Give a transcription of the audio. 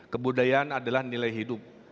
kebudayaan adalah nilai hidup